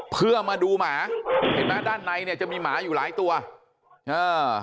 เพื่อมาดูหมาเห็นไหมด้านในเนี่ยจะมีหมาอยู่หลายตัวอ่า